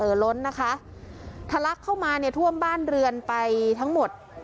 ล้นนะคะทะลักเข้ามาเนี่ยท่วมบ้านเรือนไปทั้งหมด